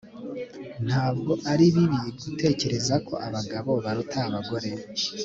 Ntabwo ari bibi gutekereza ko abagabo baruta abagore